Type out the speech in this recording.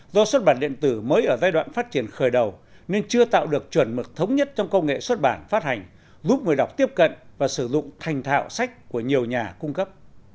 do xuất bản điện tử mới ở giai đoạn phát triển khởi đầu nên chưa tạo được chuẩn mực thống nhất trong công nghệ xuất bản phát hành giúp người đọc tiếp cận và sử dụng thành thạo sách của nhiều nhà cung cấp